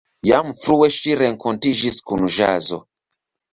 Jam frue ŝi renkontiĝis kun ĵazo.